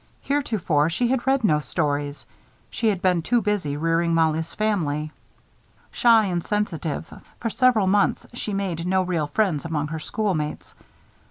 Heretofore, she had read no stories. She had been too busy rearing Mollie's family. Shy and sensitive, for several months she made no real friends among her schoolmates.